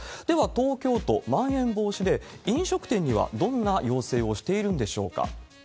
では、東京都、まん延防止で飲食店にはどんな要請をしているんでしょうか。